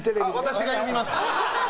私が読みます。